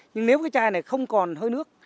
nhưng nếu cái chai này không còn hơi nước